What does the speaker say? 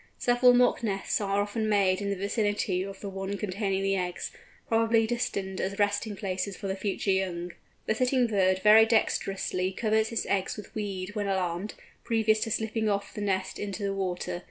Several mock nests are often made in the vicinity of the one containing the eggs, probably destined as resting places for the future young. The sitting bird very dexterously covers its eggs with weed when alarmed, previous to slipping off the nest into the water.